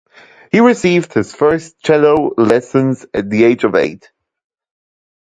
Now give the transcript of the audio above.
He received his first cello lessons at the age of eight.